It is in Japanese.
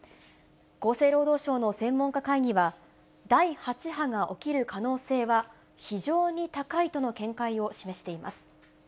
厚生労働省の専門家会議は、第８波が起きる可能性は非常に高いとの見解を示しています。